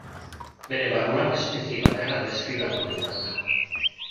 Bere barruan espezie bakarra deskribatua izan da.